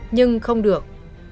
nhưng không được